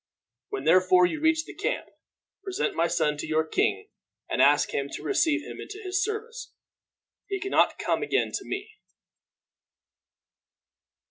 When, therefore, you reach the camp, present my son to your king, and ask him to receive him into his service. He can not come again to me."